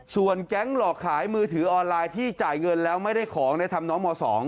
ส่วนแก๊งหลอกขายมือถือออนไลน์ที่จ่ายเงินแล้วไม่ได้ของทำน้องม๒